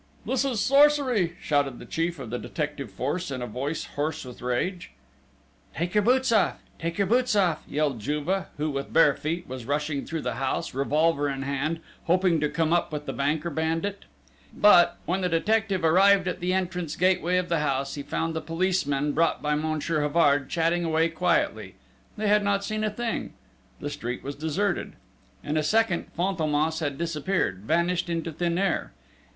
"This is sorcery!" shouted the chief of the detective force, in a voice hoarse with rage. "Take your boots off!... Take your boots off!" yelled Juve, who, with bare feet, was rushing through the house, revolver in hand, hoping to come up with the banker bandit!... But, when the detective arrived at the entrance gateway of the house, he found the policemen brought by Monsieur Havard chatting away quietly ... they had not seen a thing ... the street was deserted ... in a second Fantômas had disappeared, vanished into thin air